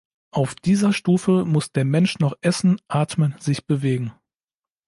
Auf dieser Stufe muss der Mensch noch essen, atmen, sich bewegen.